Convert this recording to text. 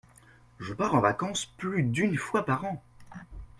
Je pars en vacances plus d’une fois par an.